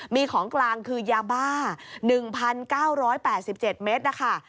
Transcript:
มีของกลางคือยาบ้า๑๙๘๗เมตรนะคะ